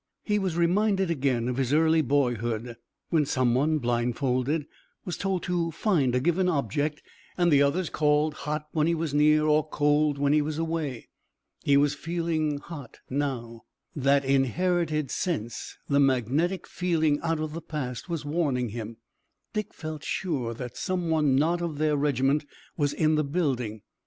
He was reminded again of his early boyhood, when some one blindfolded was told to find a given object, and the others called "hot" when he was near or "cold" when he was away. He was feeling hot now. That inherited sense, the magnetic feeling out of the past, was warning him. Dick felt sure that some one not of their regiment was in the building.